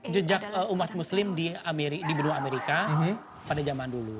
jejak umat muslim di benua amerika pada zaman dulu